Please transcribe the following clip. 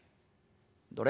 「どれ？」。